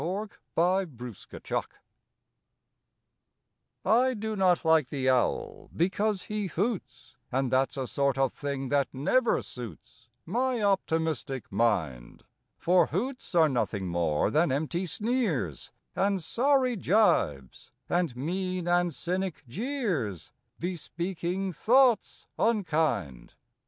April Second A PREFERENCE T DO not like the Owl because he hoots, And that s a sort of thing that never suits My optimistic mind, For hoots are nothing more than empty sneers, And sorry gibes, and mean and cynic jeers, Bespeaking thoughts unkind.